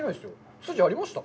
筋ありました？